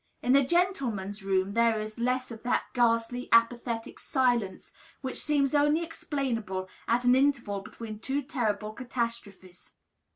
In the "Gentlemen's Room" there is less of that ghastly, apathetic silence which seems only explainable as an interval between two terrible catastrophes.